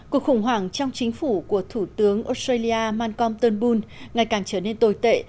cuộc khủng hoảng trong chính phủ của thủ tướng australia mancompton boone ngày càng trở nên tồi tệ